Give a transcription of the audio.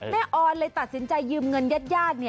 แม่อ่อนเลยตัดสินใจยืมเงินญาติย่าน